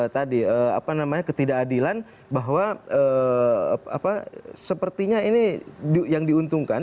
tadi apa namanya ketidakadilan bahwa sepertinya ini yang diuntungkan